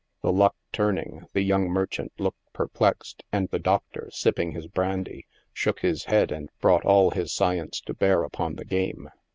The luck turning, the young merchant looked perplexed, and the doctor, sipping his brandy, shook his head and brought all his science to bear upon the game.